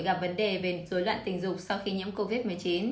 gặp vấn đề về dối loạn tình dục sau khi nhiễm covid một mươi chín